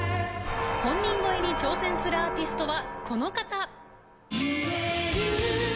本人超えに挑戦するアーティストはこの方。